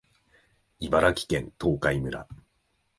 茨城県東海村